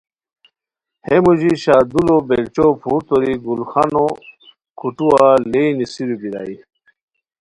ہے موژی شاہ دولو بیلچو پھورتوری گل خانو کوٹھووا لیئے نیسیرو بیرائے